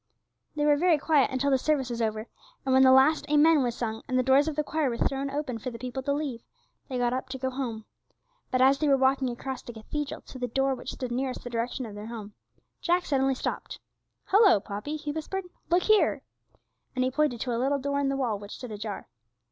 They were very quiet until the service was over, and when the last Amen was sung, and the doors of the choir were thrown open for the people to leave, they got up to go home. But as they were walking across the cathedral to the door which stood nearest the direction of their home, Jack suddenly stopped. 'Hullo, Poppy,' he whispered, 'look here,' and he pointed to a little door in the wall which stood ajar.